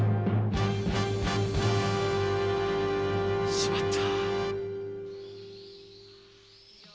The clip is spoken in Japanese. しまった！